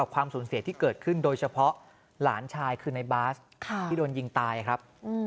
ขึ้นโดยเฉพาะหลานชายคือในบาสท์ที่โดนยิงตายครับ